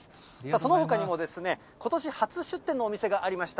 そのほかにも、ことし初出店のお店がありました。